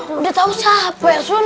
udah tau siapa ya sun